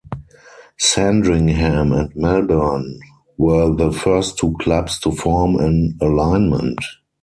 Sandringham and Melbourne were the first two clubs to form an alignment.